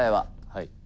はい。